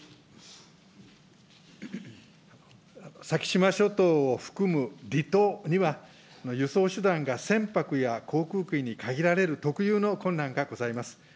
先島諸島を含む離島には、輸送手段が船舶や航空機に限られる特有の困難がございます。